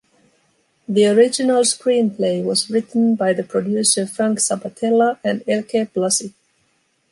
The original screenplay was written by the producer Frank Sabatella and Elke Blasi.